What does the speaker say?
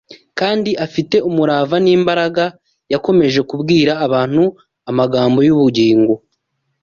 kandi afite umurava n’imbaraga, yakomeje kubwira abantu amagambo y’ubugingo